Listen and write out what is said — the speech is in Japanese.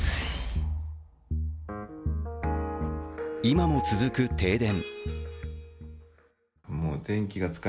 今も続く停電。